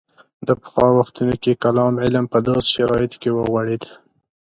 د پخوا وختونو کې کلام علم په داسې شرایطو کې وغوړېد.